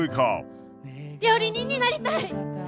料理人になりたい。